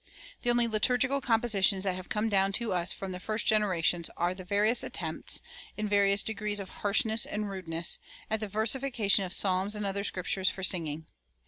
[386:2] The only liturgical compositions that have come down to us from the first generations are the various attempts, in various degrees of harshness and rudeness, at the versification of psalms and other Scriptures for singing.